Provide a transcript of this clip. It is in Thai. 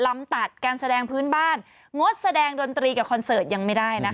ตัดการแสดงพื้นบ้านงดแสดงดนตรีกับคอนเสิร์ตยังไม่ได้นะคะ